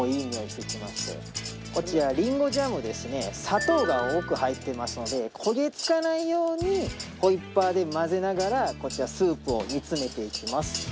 砂糖が多く入ってますので焦げ付かないようにホイッパーで混ぜながらこちらスープを煮詰めていきます。